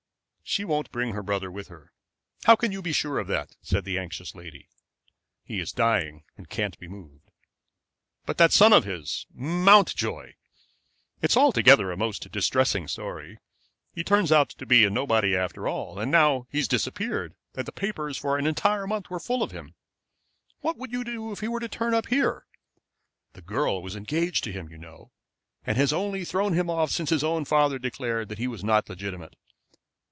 "She won't bring her brother with her." "How can you be sure of that?" said the anxious lady. "He is dying, and can't be moved." "But that son of his Mountjoy. It's altogether a most distressing story. He turns out to be nobody after all, and now he has disappeared, and the papers for an entire month were full of him. What would you do if he were to turn up here? The girl was engaged to him, you know, and has only thrown him off since his own father declared that he was not legitimate.